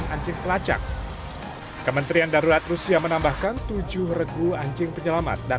anjing pelacak kementerian darurat rusia menambahkan tujuh regu anjing penyelamat dan